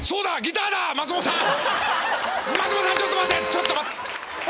ちょっと待って！